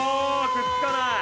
くっつかない。